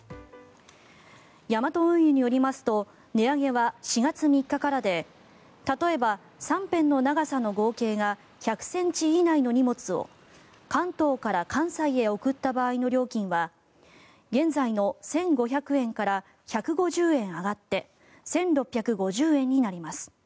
ヤマト運輸によりますと値上げは４月３日からで例えば、３辺の長さの合計が１００ｃｍ以内の荷物を関東から関西へ送った場合の料金は現在の１５００円から１５０円上がって１６５０円になります。